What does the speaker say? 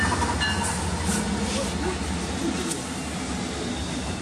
Nekcem deg waggur n yebrir.